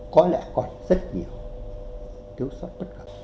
có lẽ còn rất nhiều thiếu sót bất ngờ